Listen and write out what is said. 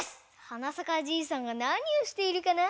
はな咲かじいさんがなにをしているかな？